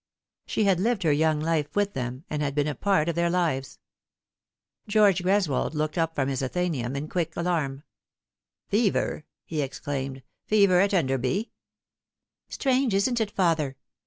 She had lived her young life with them, and had been a part of their lives. George Greswold looked up from his Athenaeum in quick alarm. " Fever P' he exclaimed, " fever at Enderby I" " Strange, isn't it, father